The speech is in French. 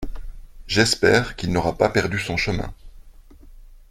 J’espère qu’il n’aura pas perdu son chemin !